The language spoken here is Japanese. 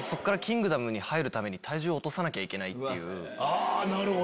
あなるほど。